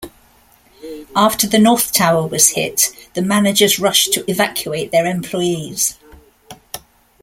After the North Tower was hit, the managers rushed to evacuate their employees.